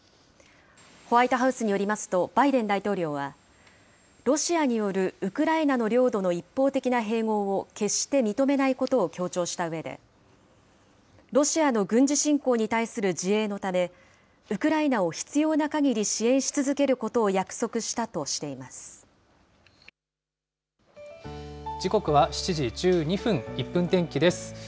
ホワイトハウスによりますと、バイデン大統領は、ロシアによるウクライナの領土の一方的な併合を決して認めないことを強調したうえで、ロシアの軍事侵攻に対する自衛のため、ウクライナを必要なかぎり支援し続けることを約束したとしていま時刻は７時１２分、１分天気です。